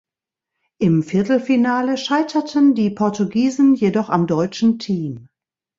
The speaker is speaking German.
Im Viertelfinale scheiterten die Portugiesen jedoch am deutschen Team.